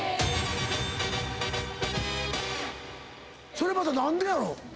それまた何でやろ？